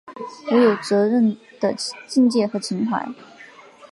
我有责任的境界和情怀